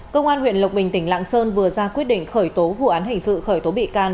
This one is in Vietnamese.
công an huyện lộc bình tỉnh lạng sơn vừa ra quyết định khởi tố vụ án hình sự khởi tố bị can